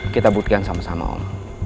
kita buktikan sama sama om